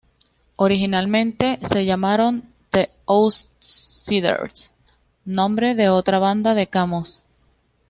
Originalmente se llamaron "The Outsiders", nombre de otra obra de Camus.